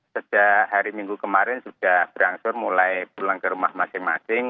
sejak hari minggu kemarin sudah berangsur mulai pulang ke rumah masing masing